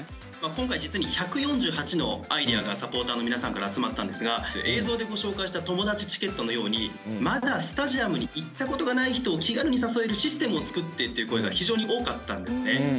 今回実に１４８のアイデアがサポーターの皆さんから集まったんですが映像でご紹介した「友達チケット」のようにまだスタジアムに行ったことがない人を気軽に誘えるシステムを作ってという声が非常に多かったんですね。